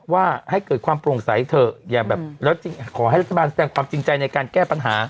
ว่าให้เกิดความโปร่งใสเถอะอย่าแบบแล้วจริงขอให้รัฐบาลแสดงความจริงใจในการแก้ปัญหา